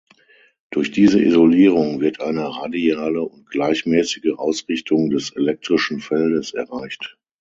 Durch diese Isolierung wird eine radiale und gleichmäßige Ausrichtung des elektrischen Feldes erreicht.